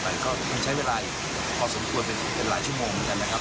มันก็มันใช้เวลาอีกพอสมควรเป็นหลายชั่วโมงเหมือนกันนะครับ